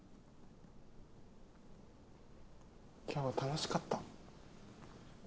今日は楽しかった。